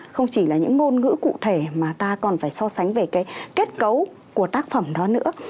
không chỉ là những ngôn ngữ cụ thể mà ta còn phải so sánh về cái kết cấu của tác phẩm đó nữa